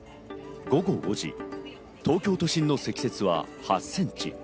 午後５時、東京都心の積雪は８ｃｍ。